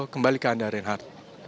kembali ke anda reinhardt